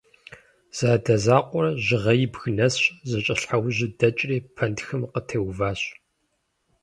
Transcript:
Зэадэзэкъуэр Жьыгъэибг нэсщ, зэкӀэлъхьэужьу дэкӀри пэнтхым къытеуващ.